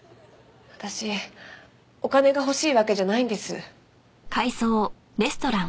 私お金が欲しいわけじゃないんです。